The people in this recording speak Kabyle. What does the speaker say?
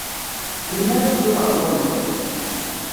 Melmi ara teddud ɣer London?